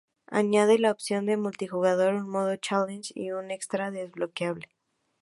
Añade la opción multijugador, un modo "Challenge" y un extra desbloqueable.